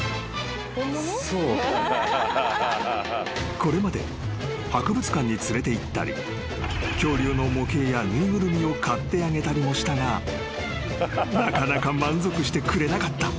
［これまで博物館に連れていったり恐竜の模型や縫いぐるみを買ってあげたりもしたがなかなか満足してくれなかった］